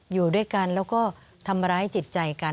อยู่ด้วยกันแล้วก็ทำร้ายจิตใจกัน